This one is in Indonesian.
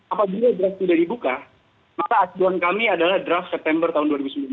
apabila draft sudah dibuka maka acuan kami adalah draft september tahun dua ribu sembilan belas